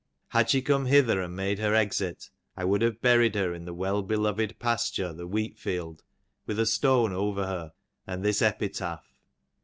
Had she come hither and made her exit, I would have buried her in her well beloved pasture the Wheat field, with a stone over her and this epitaph.